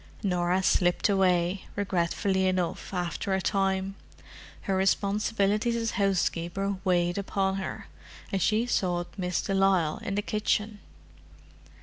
Norah slipped away, regretfully enough, after a time: her responsibilities as housekeeper weighed upon her, and she sought Miss de Lisle in the kitchen.